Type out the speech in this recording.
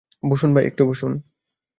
বসুন ভাই, একটু বসুন।